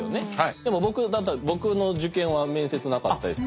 でも僕だったら僕の受験は面接なかったですし。